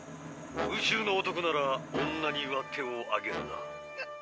宇宙の男なら女には手をあげるな。